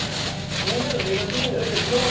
みんなの目が気になるって事ですか？